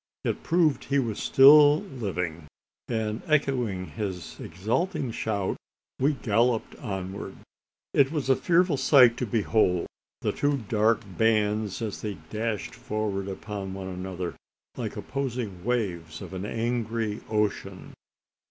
It proved he was still living; and, echoing his exulting shout, we galloped onward. It was a fearful sight to behold the two dark bands as they dashed forward upon one another like opposing waves of the angry ocean.